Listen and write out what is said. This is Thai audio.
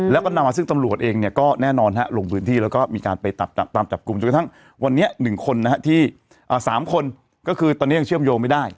แล้วก็นำมาซึ่งตำรวจเองเนี่ยก็แน่นอนลงพื้นที่แล้วก็มีการไปตามจับกลุ่มจนกระทั่งวันนี้๑คนที่๓คนก็คือตอนนี้ยังเชื่อมโยงไม่ได้